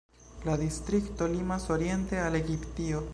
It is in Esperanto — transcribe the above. La distrikto limas oriente al Egiptio.